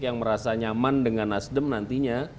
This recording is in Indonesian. yang merasa nyaman dengan nasdem nantinya